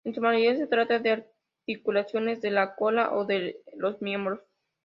En su mayoría, se trata de articulaciones de la cola o de los miembros.